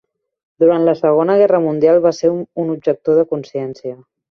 Durant la Segona Guerra Mundial, va ser un objector de consciència.